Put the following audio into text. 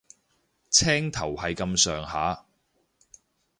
青頭係咁上下